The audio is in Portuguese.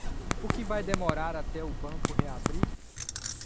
O que vai demorar até o banco reabrir?